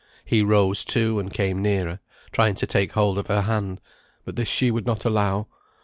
He rose, too, and came nearer, trying to take hold of her hand; but this she would not allow.